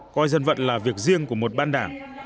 coi dân vận là việc riêng của một ban đảng